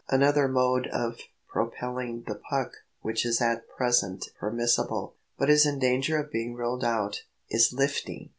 Another mode of propelling the puck which is at present permissible, but is in danger of being ruled out, is "lifting."